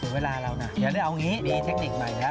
เวลาเราน่ะอย่าได้เอาอย่างนี้มีเทคนิคใหม่นะ